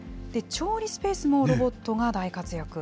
調理スペースもロボットが大活躍